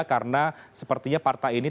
karena sepertinya partai ini